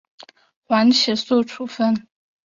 缓起诉处分。